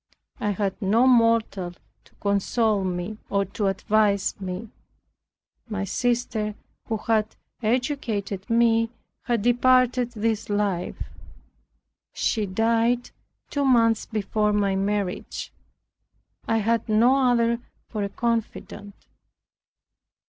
I had no mortal to console me, or to advise me. My sister, who had educated me, had departed this life. She died two months before my marriage. I had no other for a confidant.